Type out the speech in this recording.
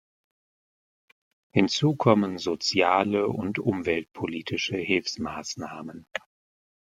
Hinzu kommen soziale und umweltpolitische Hilfsmaßnahmen.